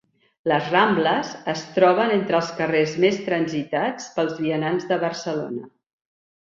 "Les Rambles" es troben entre els carrers més transitats pels vianants de Barcelona.